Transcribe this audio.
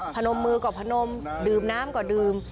นมมือก็พนมดื่มน้ำก็ดื่ม